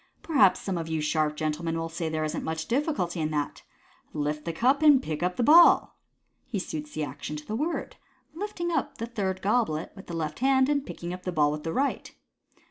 Perhaps some of you sharp gentlemen will say there isn't viuch difficulty in that. Lift the cup, and pick up the ball !" He suits the action to the word, lifting up the third goblet with the left hand, and picking up the ball with the right.